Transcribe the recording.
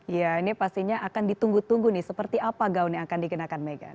ya ini pastinya akan ditunggu tunggu nih seperti apa gaun yang akan dikenakan meghan